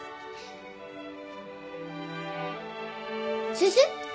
先生？